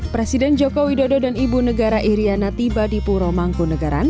presiden joko widodo dan ibu negara iriana tiba di puromanggunegaran